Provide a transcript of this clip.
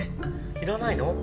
いらないの？